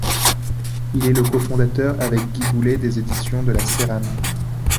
Il est le cofondateur avec Guy Boulay des éditions de la Séranne.